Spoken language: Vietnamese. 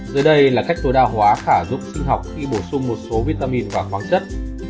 dưới đây là cách tối đa hóa khả dụng sinh học khi bổ sung một số vitamin và khoáng chất